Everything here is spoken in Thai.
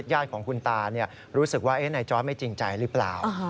ทางญาติของคุณตาเนี่ยรู้สึกว่าไหนจอร์ทไม่จริงใจหรือเปล่า